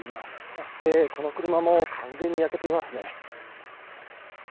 そしてこの車も完全に焼けていますね。